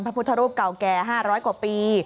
พระพุทธรูปเก่าแก่๕๐๐กว่าปี